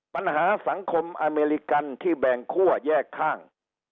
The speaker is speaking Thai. ปัญหาสังคมอเมริกันที่แบ่งคั่วแยกข้าง